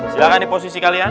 silahkan di posisi kalian